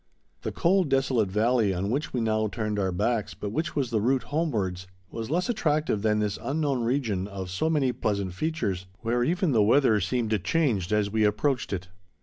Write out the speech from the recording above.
The cold, desolate valley on which we now turned our backs, but which was the route homewards, was less attractive than this unknown region of so many pleasant features, where even the weather seemed changed as we approached it.